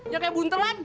yang kayak buntelan